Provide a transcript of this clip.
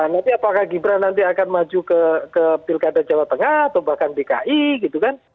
nanti apakah gibran nanti akan maju ke pilkada jawa tengah atau bahkan dki gitu kan